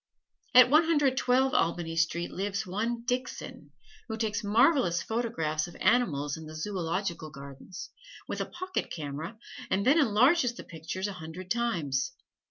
At One Hundred Twelve Albany Street lives one Dixon, who takes marvelous photographs of animals in the Zoological Gardens, with a pocket camera, and then enlarges the pictures a hundred times.